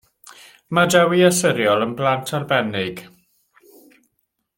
Mae Dewi a Siriol yn blant arbennig.